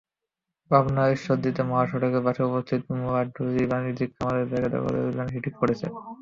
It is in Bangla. পাবনার ঈশ্বরদীতে মহাসড়কের পাশে অবস্থিত মুলাডুলি বাণিজ্যিক খামারের জায়গা দখলের যেন হিড়িক পড়েছে।